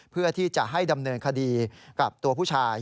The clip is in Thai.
เพื่อที่จะให้ดำเนินคดีกับตัวผู้ชาย